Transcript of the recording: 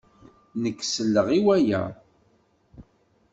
Nekk selleɣ i waya.